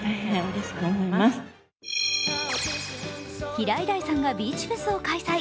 平井大さんがビーチフェスを開催。